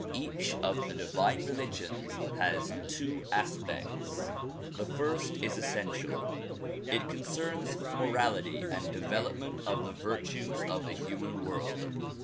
Each of the divine religions has two aspects. The first is essential. It concerns morality and development of the virtues of the human world.